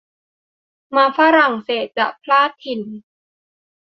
มาฝรั่งเศสจะพลาดถิ่น